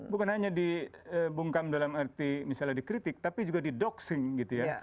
bukan hanya dibungkam dalam arti misalnya dikritik tapi juga di doxing gitu ya